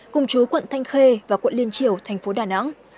cùng chú quận thanh khê và quận liên triều tp đà nẵng